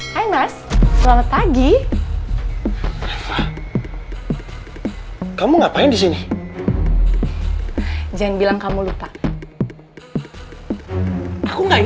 hai mas selamat pagi kamu ngapain di sini jangan bilang kamu lupa aku nggak ini